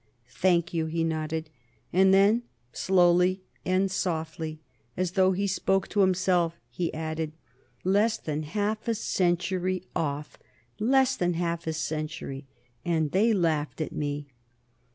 "Thank you," he nodded; and then, slowly and softly, as though he spoke to himself, he added, "Less than half a century off. Less than a half a century! And they laughed at me.